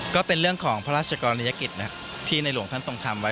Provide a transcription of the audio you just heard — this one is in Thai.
ก็เป็นเรื่องของพระราชกรณียกิจที่ในหลวงท่านทรงทำไว้